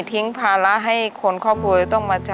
ทิ้งภาระให้คนข้อบนคร